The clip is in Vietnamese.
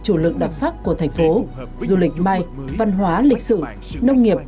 chủ lực đặc sắc của thành phố du lịch may văn hóa lịch sử nông nghiệp